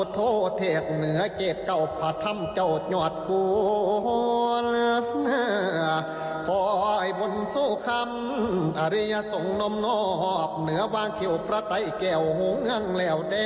โตเทศเหนือเกรกเก่าภาธรรมเจ้าตนโยภูล